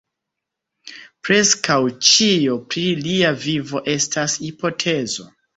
Preskaŭ ĉio pri lia vivo estas hipotezo.